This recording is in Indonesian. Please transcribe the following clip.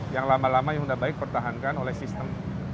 yang lama lama yang sudah baik pertahankan oleh sistem